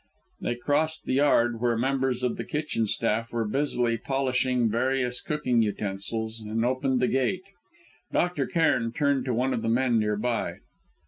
They crossed the yard, where members of the kitchen staff were busily polishing various cooking utensils, and opened the gate. Dr. Cairn turned to one of the men near by.